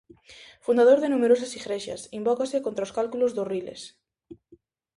Fundador de numerosas igrexas, invócase contra os cálculos dos riles.